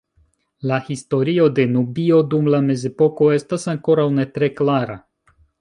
La historio de Nubio dum la mezepoko estas ankoraŭ ne tre klara.